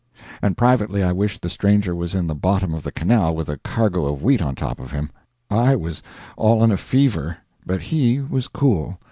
And privately I wished the stranger was in the bottom of the canal with a cargo of wheat on top of him. I was all in a fever, but he was cool.